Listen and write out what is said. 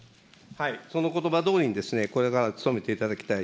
そのことばどおりに、これから努めていただきたい。